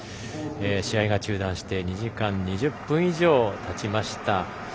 試合が中断して２時間２０分以上、たちました。